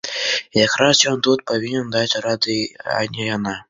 І якраз ён тут павінен даць рады, а не яна.